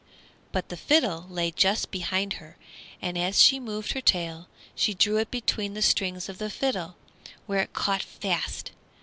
But the fiddle lay just behind her, and as she moved her tail, she drew it between the strings of the fiddle, where it caught fast.